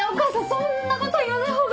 そんなこと言わないほうが。